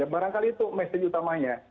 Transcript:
barangkali itu mesej utamanya